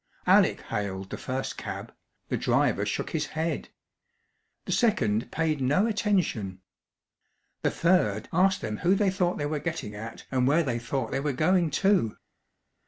Alec hailed the first cab, the driver shook his head. The second paid no attention. The third asked them who they thought they were getting at and where they thought they were going to.